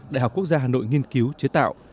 đại học quốc gia hà nội nghiên cứu chế tạo